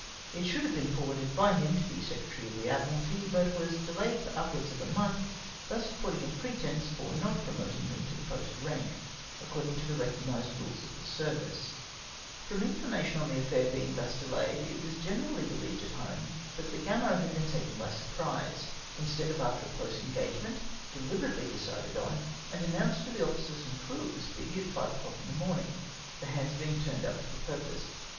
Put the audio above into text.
It should have been forwarded by him to the Secretary of the Admiralty, but nvas delayed for upwards of a month, thus affording a pretence for not promoting me to post rank, according to the recognised rules of the service. i2 116 POSTPONEMENT OF MY POST RANK. From information on the affair being thus delayed, it was generally beheved at home, that the Gamo had been taken by surprise, instead of after a close engage ment, dehberately decided on, and announced to the officers and crew of the Speedy at five o'clock in the morning, the hands being turned up for the purpose.